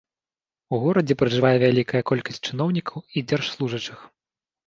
У горадзе пражывае вялікая колькасць чыноўнікаў і дзяржслужачых.